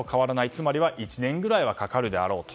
つまりは１年ぐらいはかかるであろうと。